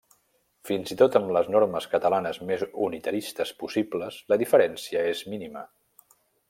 Fins i tot amb les normes catalanes més unitaristes possibles, la diferència és mínima.